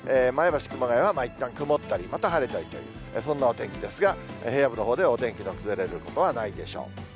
前橋、熊谷はいったん曇ったり、また晴れたりというそんなお天気ですが、平野部のほうでは、お天気の崩れることはないでしょう。